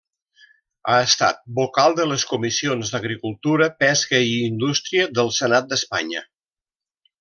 Ha estat vocal de les comissions d'agricultura, pesca i indústria del Senat d'Espanya.